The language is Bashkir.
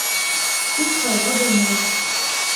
Тик файҙа булманы.